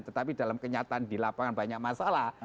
tetapi dalam kenyataan di lapangan banyak masalah